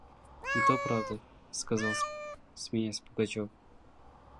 – И то правда, – сказал, смеясь, Пугачев.